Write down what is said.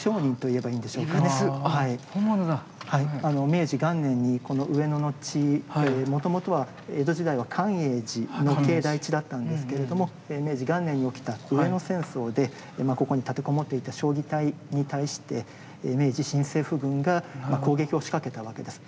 明治元年にこの上野の地もともとは江戸時代は寛永寺の境内地だったんですけれども明治元年に起きた上野戦争でここに立てこもっていた彰義隊に対して明治新政府軍が攻撃をしかけたわけです。